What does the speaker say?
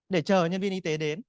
để chờ nhân viên y tế đến